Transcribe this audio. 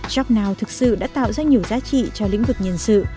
jobnow thực sự đã tạo ra nhiều giá trị cho lĩnh vực nhân sự